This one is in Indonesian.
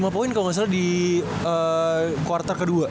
lima point kalo ga salah di quarter kedua